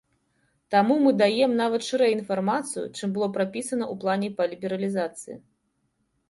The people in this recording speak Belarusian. Таму мы даем нават шырэй інфармацыю, чым было прапісана ў плане па лібералізацыі.